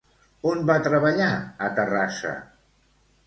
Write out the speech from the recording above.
On va treballar a Terrassa?